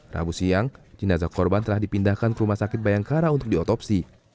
rabu siang jenazah korban telah dipindahkan ke rumah sakit bayangkara untuk diotopsi